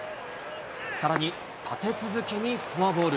さらに立て続けにフォアボール。